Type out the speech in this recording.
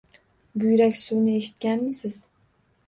Buyraksuvni eshitganmisiz?